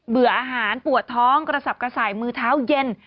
เบื่ออาหารปวดท้องกระสับกระส่ายมือเท้าเย็น